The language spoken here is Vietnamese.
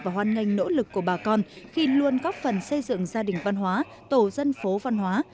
hoan nghênh nỗ lực của bà con khi luôn góp phần xây dựng gia đình văn hóa tổ dân phố văn hóa